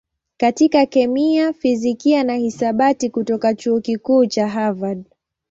katika kemia, fizikia na hisabati kutoka Chuo Kikuu cha Harvard.